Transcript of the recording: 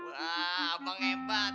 wah abah ngebat